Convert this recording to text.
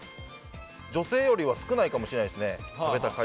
女性よりは少ないかもですね。